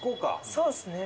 そうですね。